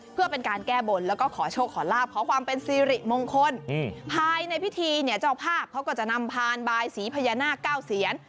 เพื่อเป็นการแก้บนแล้วก็ขอโชคขอลาบขอความเป็นสิริมงคลภายในพิธีเนี่ยเจ้าภาพเขาก็จะนำพานบายสีพญานาคเก้าเซียน